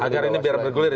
agar ini bergulir